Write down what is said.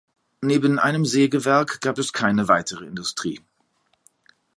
Neben einem Sägewerk gab es keine weitere Industrie.